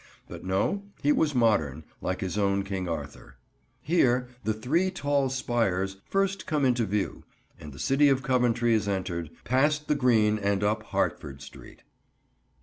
But no, he was modern, like his own King Arthur. Here the "three tall spires" first come into view, and the city of Coventry is entered, past the Green and up Hertford Street.